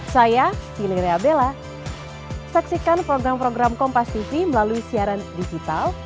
saya fili reabella saksikan program program kompas tv melalui siaran digital